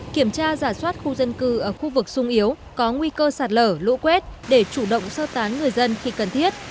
kiểm tra giả soát khu dân cư ở khu vực sung yếu có nguy cơ sạt lở lũ quét để chủ động sơ tán người dân khi cần thiết